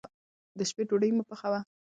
د شپې ډوډۍ مه پخوه.